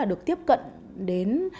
được tiếp cận đến